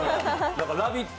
「ラヴィット！」